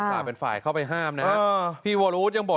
ฝ่ายเป็นฝ่ายเข้าไปห้ามนะฮะพี่วรวุฒิยังบอก